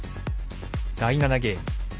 第７ゲーム。